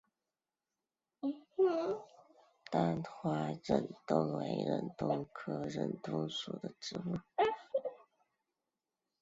单花忍冬为忍冬科忍冬属的植物。